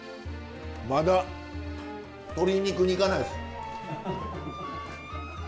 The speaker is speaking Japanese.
まだ鶏肉にいかないです。